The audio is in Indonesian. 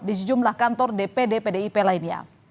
di sejumlah kantor dpd pdip lainnya